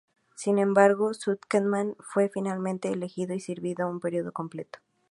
Sin embargo, Zuckerman fue finalmente elegido y sirvió un período completo.